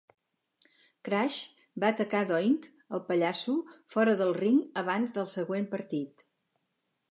Crush va atacar Doink el Pallasso fora del ring abans del següent partit.